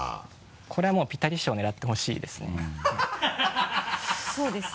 これはもうピタリ賞狙ってほしいですね。